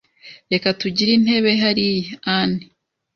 Reka tugire intebe hariya, Annie.